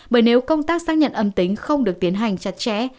bởi nếu công tác xác nhận âm tính không được tiến hành chặt chẽ